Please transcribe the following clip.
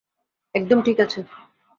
একদম ঠিক আছে।